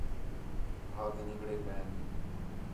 بَھا تے نِنگڑے کئے ہین